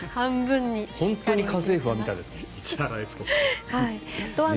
本当に「家政婦は見た！」ですね。